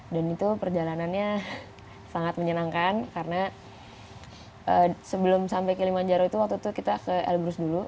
dan itu perjalanannya sangat menyenangkan karena sebelum sampai kili manjaro itu waktu itu kita ke elbrus dulu